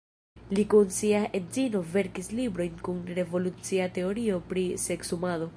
Li kun sia edzino verkis librojn kun revolucia teorio pri seksumado.